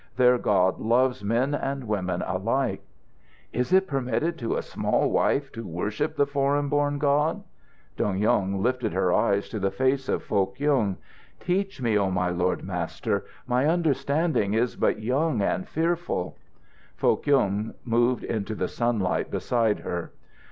Their God loves men and women alike." "Is it permitted to a small wife to worship the foreign born God?" Dong Yung lifted her eyes to the face of Foh Kyung. "Teach me, O my Lord Master! My understanding is but young and fearful " Foh Kyung moved into the sunlight beside her.